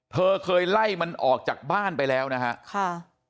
เธอเคยไล่มันออกจากบ้านไปแล้วนะฮะค่ะ